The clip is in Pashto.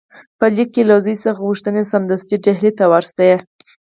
په لیک کې له زوی څخه غوښتي سمدستي ډهلي ته ورشي.